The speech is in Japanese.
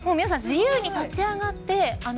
自由に立ち上がって。